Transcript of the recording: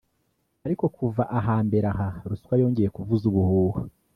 Ariko kuva ahambere aha ruswa yongeye kuvuza ubuhuha